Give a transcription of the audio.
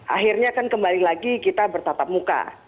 akhirnya kan kembali lagi kita bertatap muka